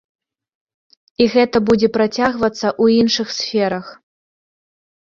І гэта будзе працягвацца ў іншых сферах.